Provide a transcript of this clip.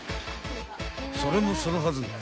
［それもそのはず